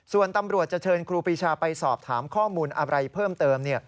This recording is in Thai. ส่วนตำรวจจะเชิญครูปีชาไปสอบถามข้อมูลอะไรเพิ่มเติม